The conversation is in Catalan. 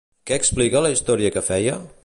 Què explica la història que feia?